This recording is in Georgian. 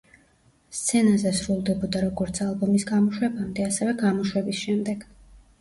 სცენაზე სრულდებოდა როგორც ალბომის გამოშვებამდე, ასევე გამოშვების შემდეგ.